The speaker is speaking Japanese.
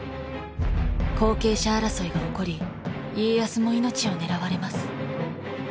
後継者争いが起こり家康も命を狙われます。